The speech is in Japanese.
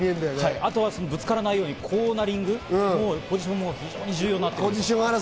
あとはぶつからないようにコーナリング、ポジションも大事になっていきます。